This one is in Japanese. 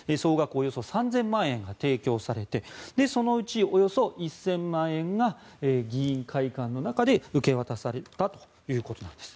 およそ３０００万円が提供されてそのうちおよそ１０００万円が議員会館の中で受け渡されたということです。